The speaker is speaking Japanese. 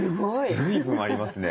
随分ありますね。